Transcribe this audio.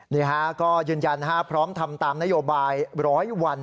นี่ฮะก็ยืนยันพร้อมทำตามนโยบาย๑๐๐วัน